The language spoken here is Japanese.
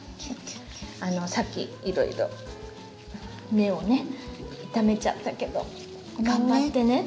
さっきいろいろ根を傷めちゃったけど頑張ってねって。